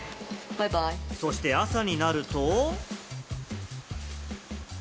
そして、朝になると。